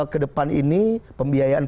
kedepan ini pembiayaan